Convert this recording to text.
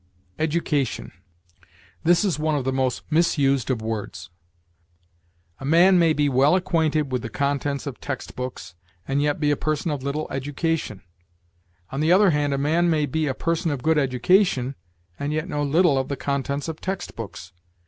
EDUCATION. This is one of the most misused of words. A man may be well acquainted with the contents of text books, and yet be a person of little education; on the other hand, a man may be a person of good education, and yet know little of the contents of text books.